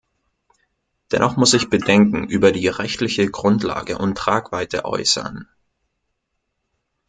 Dennoch muss ich Bedenken über die rechtliche Grundlage und Tragweite äußern.